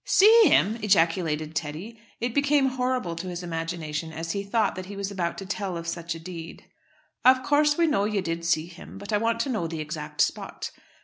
"See him!" ejaculated Teddy. It became horrible to his imagination as he thought that he was about to tell of such a deed. "Of course, we know you did see him; but I want to know the exact spot."